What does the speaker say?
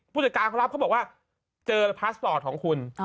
ผู้จัดการเขารับเขาบอกว่าเจอพาสปอร์ตของคุณ